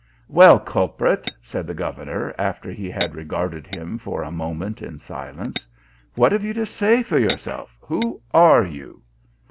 " Well, culprit !" said the governor, after he had regarded him for a moment in silence, " what have you to say for yourself? who are you